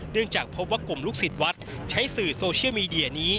จากพบว่ากลุ่มลูกศิษย์วัดใช้สื่อโซเชียลมีเดียนี้